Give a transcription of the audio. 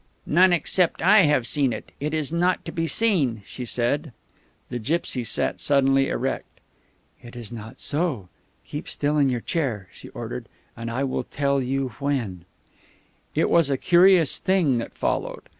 "None except I have seen it. It is not to be seen," she said. The gipsy sat suddenly erect. "It is not so. Keep still in your chair," she ordered, "and I will tell you when " It was a curious thing that followed.